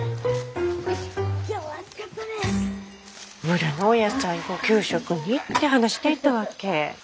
村のお野菜を給食にって話していたわけ。